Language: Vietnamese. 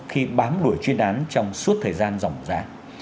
khi bám đuổi chuyên án trong suốt thời gian rộng rã